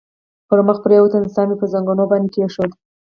پر مخ پرېوتم، سر مې پر زنګنو باندې کېښود.